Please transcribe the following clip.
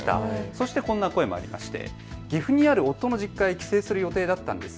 そしてこんな声もありまして。